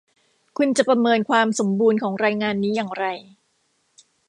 คุณจะประเมินความสมบูรณ์ของรายงานนี้อย่างไร